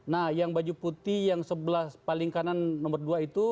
nah yang baju putih yang sebelah paling kanan nomor dua itu